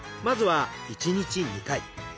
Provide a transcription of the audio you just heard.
まずは１日２回。